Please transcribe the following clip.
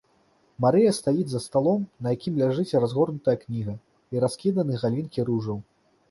Марыя стаіць за сталом, на якім ляжыць разгорнутая кніга і раскіданы галінкі ружаў.